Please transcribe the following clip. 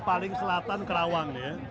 paling selatan kerawang